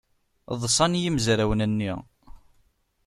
Ḍṣan yimezrawen-nni.